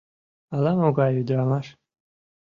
— Ала-могай ӱдрамаш.